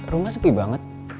rumah sepi banget